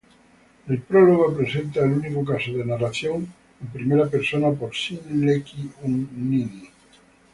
El prólogo presenta el único caso de narración en primera persona por Sîn-lēqi-unninni.